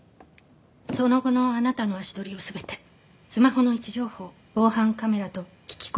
その後のあなたの足取りを全てスマホの位置情報防犯カメラと聞き込みで追いました。